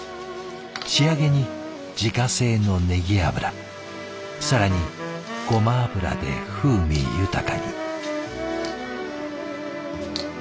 仕上げに自家製のネギ油更にゴマ油で風味豊かに。